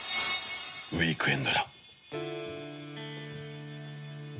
ウィークエンドだ。